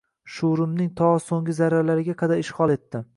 Shuurimning to so’nggi zarralariga qadar ishg’ol etdi.